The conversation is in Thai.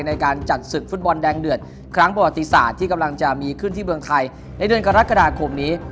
ในการจัดศึกฟุตบอลแดงเดือดครั้งประวัติศาสตร์ที่กำลังจะมีขึ้นที่เมืองไทยในเดือนกรกฎาคมนี้